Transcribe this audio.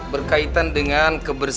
berkaitan dengan kebersihan